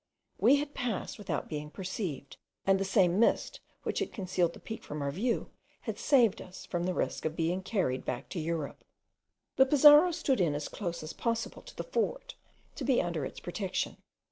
We had passed without being perceived, and the same mist which had concealed the peak from our view, had saved us from the risk of being carried back to Europe. The Pizarro stood in as close as possible to the fort, to be under its protection.